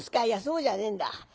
「いやそうじゃねえんだ。